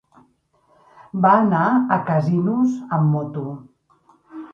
Va anar a Casinos amb moto.